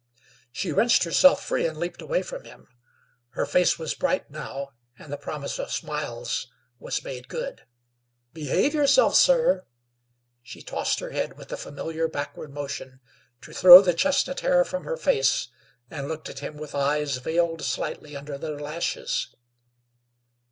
She wrenched herself free, and leaped away from him. Her face was bright now, and the promise of smiles was made good. "Behave yourself, sir." She tossed her head with a familiar backward motion to throw the chestnut hair from her face, and looked at him with eyes veiled slightly under their lashes.